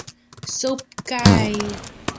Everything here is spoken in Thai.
ซุปไก่